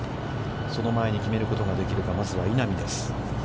その前に決めることができるか、まずは、稲見です。